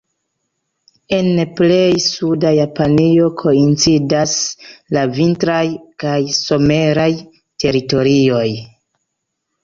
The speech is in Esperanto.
En plej suda Japanio koincidas la vintraj kaj someraj teritorioj.